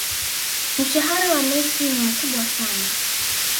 mshahara wa Messi ni mkubwa sana